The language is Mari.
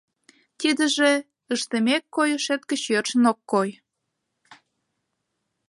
— Тидыже ыштымет-койышет гыч йӧршын ок кой.